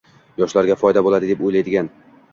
yoshlarga foyda bo‘ladi deb o‘ylaydigan